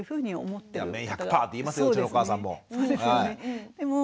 綿１００％って言いますようちのお母さんも。